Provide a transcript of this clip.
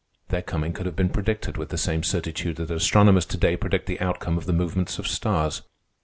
Their coming could have been predicted with the same certitude that astronomers to day predict the outcome of the movements of stars.